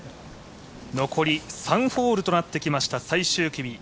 残り３ホールとなってきました最終組。